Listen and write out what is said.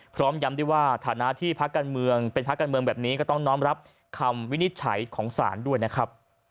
พร้อมย้ำด้วยว่าฐานะที่พักการเมืองเป็นพักการเมืองแบบนี้ก็ต้องน้อมรับคำวินิจฉัยของศาลด้วยนะครับ